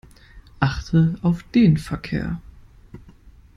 Achte auf den Verkehr.